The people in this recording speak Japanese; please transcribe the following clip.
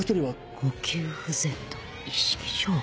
呼吸不全と意識障害。